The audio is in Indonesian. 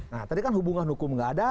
nah tadi kan hubungan hukum nggak ada